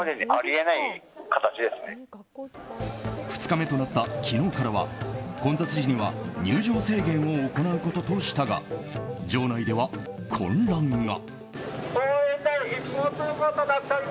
２日目となった昨日からは混雑時には入場制限を行うこととしたが場内では混乱が。